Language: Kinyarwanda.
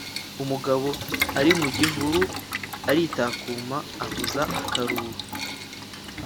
umugabo ari mu gihuru, aritakuma, avuza akaruru